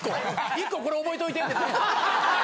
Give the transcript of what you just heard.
１個これ覚えといてって。